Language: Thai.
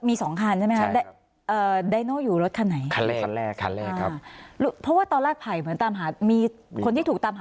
มีสองคันใช่ไหมคะไดโน่อยู่รถคันไหนคันแรกคันแรกคันแรกครับเพราะว่าตอนแรกไผ่เหมือนตามหามีคนที่ถูกตามหา